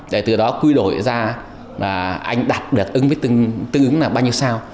để từ đó quy đổi ra là anh đạt được ứng với tương ứng là bao nhiêu sao